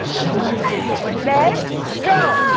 「レッツ」「ゴー！」